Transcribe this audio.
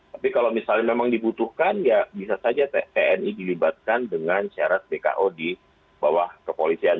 tapi kalau misalnya memang dibutuhkan ya bisa saja tni dilibatkan dengan syarat bko di bawah kepolisian